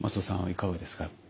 いかがですか。